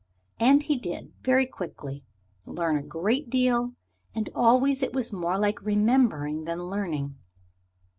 And he did, very quickly, learn a great deal, and always it was more like remembering than learning.